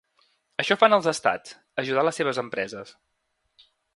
Això fan els estats, ajudar les seves empreses.